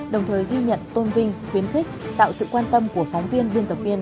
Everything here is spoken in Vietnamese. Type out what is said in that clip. đồng thời ghi nhận tôn vinh khuyến khích tạo sự quan tâm của phóng viên biên tập viên